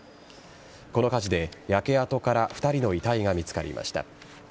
この火事で焼け跡から２人の遺体が見つかりました。